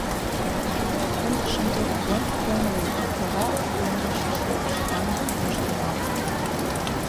Пундышым тый куклен-куклен луд, вара куклемешыже шыдаҥым ӱдаш тӱҥал.